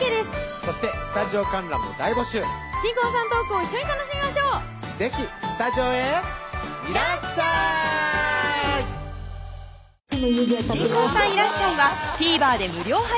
そしてスタジオ観覧も大募集新婚さんのトークを一緒に楽しみましょう是非スタジオへいらっしゃい新婚さんいらっしゃい！はＴＶｅｒ